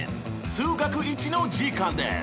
数学Ⅰの時間です！